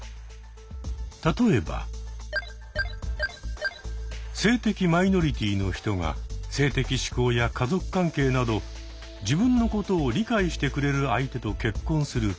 例えば性的マイノリティーの人が性的指向や家族関係など自分のことを理解してくれる相手と結婚するケース。